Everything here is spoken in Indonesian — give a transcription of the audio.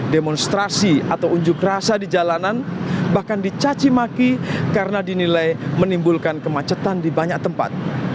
demonstrasi atau unjuk rasa di jalanan bahkan dicacimaki karena dinilai menimbulkan kemacetan di banyak tempat